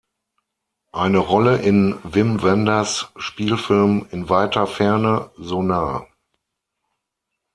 Eine Rolle in Wim Wenders’ Spielfilm "In weiter Ferne, so nah!